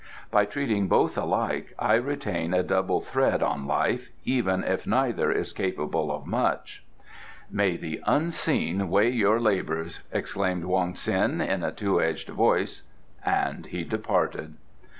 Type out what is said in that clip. By treating both alike I retain a double thread on life, even if neither is capable of much." "May the Unseen weigh your labours!" exclaimed Wong Ts'in in a two edged voice, and he departed.